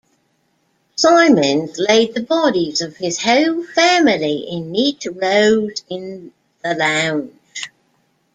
Simmons laid the bodies of his whole family in neat rows in the lounge.